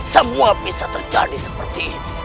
semua bisa terjadi seperti ini